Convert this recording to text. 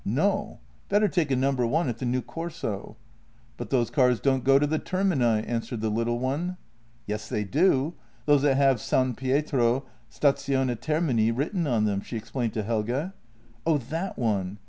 " No; better take a No. 1 at the new Corso." " But those cars don't go to the Termini," answered the little one. " Yes, they do. Those that have San Pietro, stazione Ter mini, written on them," she explained to Helge. " Oh, that one